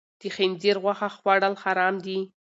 د خنزیر غوښه خوړل حرام دي.